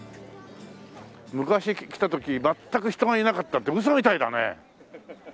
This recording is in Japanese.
昔来た時全く人がいなかったってウソみたいだね。